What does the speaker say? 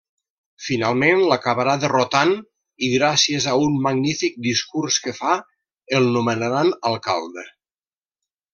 Finalment l'acabarà derrotant i gràcies a un magnífic discurs que fa, el nomenaran alcalde.